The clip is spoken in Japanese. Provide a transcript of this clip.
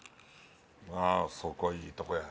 ああそこいいとこや。